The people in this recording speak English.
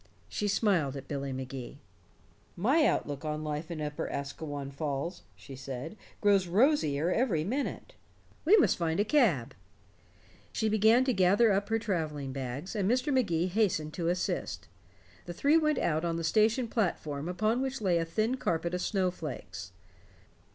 She smiled at Billy Magee. "My outlook on life in Upper Asquewan Falls," she said, "grows rosier every minute. We must find a cab." She began to gather up her traveling bags, and Mr. Magee hastened to assist. The three went out on the station platform, upon which lay a thin carpet of snowflakes.